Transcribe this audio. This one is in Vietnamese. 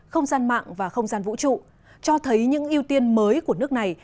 không gian mạng và không gian vũ trụ cho thấy những ưu tiên mới của nước này